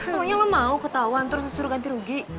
pokoknya lo mau ketahuan terus disuruh ganti rugi